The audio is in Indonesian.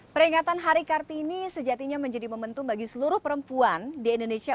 peringatan hari kartini sejatinya menjadi momentum bagi seluruh perempuan di indonesia